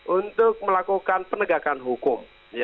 untuk melakukan penegakan hukum